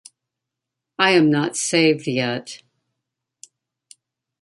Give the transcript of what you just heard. I am not saved yet.